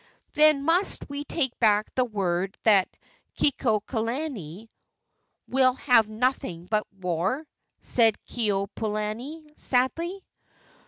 "Then must we take back the word that Kekuaokalani will have nothing but war?" said Keopuolani, sadly.